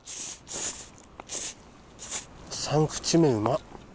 ３口目うまっ！